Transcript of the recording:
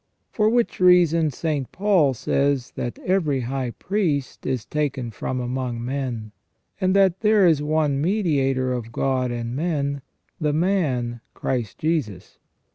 For which reason St. Paul says that " every high priest is taken from among men "; and that " there is one mediator of God and men, the man Christ Jesus".